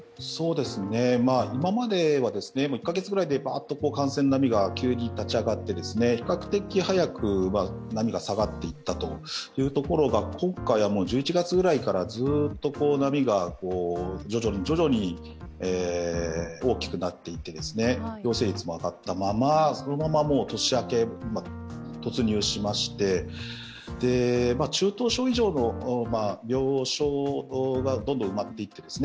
今までは１か月ぐらいでばーっと感染の波が急に立ち上がって、比較的早く波が下がっていったところが今回はもう１１月ぐらいからずっと波が徐々に大きくなっていって陽性率も上がったまま、そのまま年明け、突入しまして、中等症以上の病床がどんどん埋まっていってですね